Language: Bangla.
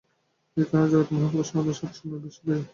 এই কারণেই জগতে মহাকাব্যের সমাদর সব সময়ে হবে।